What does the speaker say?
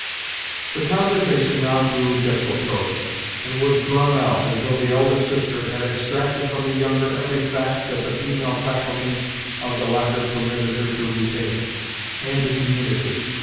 The conversation now grew desultory, and was drawn out, until the elder sister had extracted from the younger every fact that the feeble faculties of the latter permitted her to retain, and to communicate.